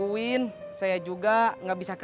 untuk dia selalu